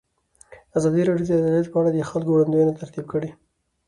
ازادي راډیو د عدالت په اړه د خلکو وړاندیزونه ترتیب کړي.